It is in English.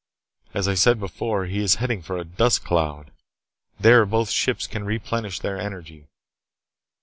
As I said before, he is heading for a dust cloud. There, both ships can replenish their energy.